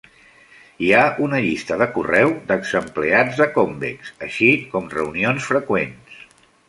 Hi ha una llista de correu d'exempleats de Convex, així com reunions freqüents.